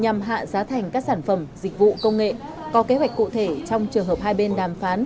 nhằm hạ giá thành các sản phẩm dịch vụ công nghệ có kế hoạch cụ thể trong trường hợp hai bên đàm phán